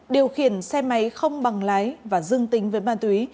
điều khiển xe máy không bằng lái và dương tính với ma túy